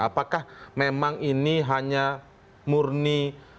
apakah memang ini hanya murni